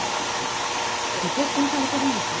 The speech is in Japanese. ご結婚されてるんですか？